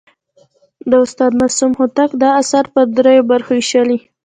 د استاد معصوم هوتک دا اثر پر درې برخو ویشلی.